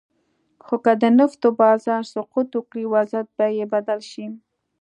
خو که د نفتو بازار سقوط وکړي، وضعیت به یې بدل شي.